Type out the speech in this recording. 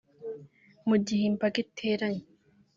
Mu igihe imbaga iteranye